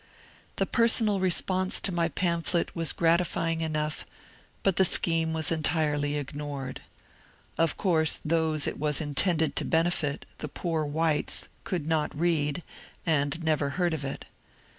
The personal response to my pamphlet was gratifying enough, but the scheme was entirely ignored. Of course those it was intended to benefit — the poor whites — could not read, and never heard of it.